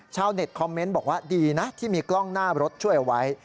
ชาวเน็ตคอมเมนต์บอกว่าดีนะที่มีกล้องหน้ารถช่วยเอาไว้